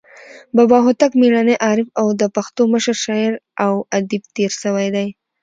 بابا هوتک میړنى، عارف او د پښتو مشر شاعر او ادیب تیر سوى دئ.